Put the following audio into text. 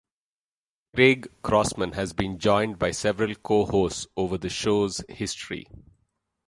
Craig Crossman has been joined by several co-hosts over the show's history.